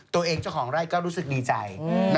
ตัวเองเจ้าของไร้ก็รู้สึกดีใจ